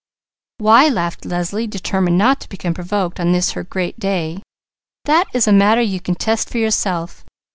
"Why," laughed Leslie, determined not to become provoked on this her great day, "that is a matter you can test for yourself.